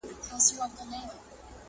قصابان یې د لېوه له زامو ژغوري.!